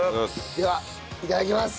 ではいただきます。